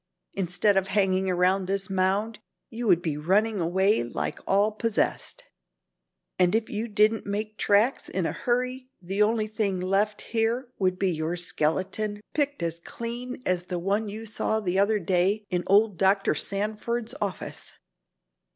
Instead of hanging around this mound you would be running away like all possessed. And if you didn't make tracks in a hurry the only thing left here would be your skeleton picked as clean as the one you saw the other day in old Dr. Sanford's office."